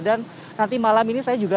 dan nanti malam ini saya juga